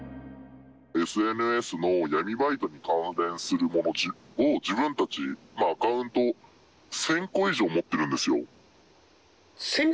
ＳＮＳの闇バイトに関連するものを自分たち、アカウント、１０００個以上持っているんです１０００